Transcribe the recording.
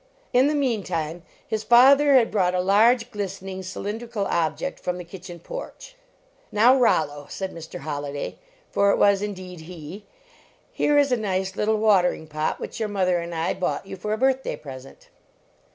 In the meantime, his father had brought a large, glistening cylindrical object from the kitchen porch. "Now, Rollo," said Mr. Holliday, for it was indeed he, "here is a nice little watering pot which your mother and I bought you for a birthday present."